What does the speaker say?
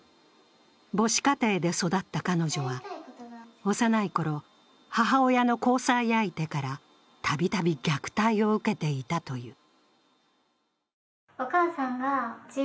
母子家庭で育った彼女は、幼いころ、母親の交際相手からたびたび虐待を受けていたという。